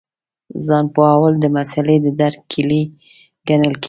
ځان پوهول د مسألې د درک کیلي ګڼل کېږي.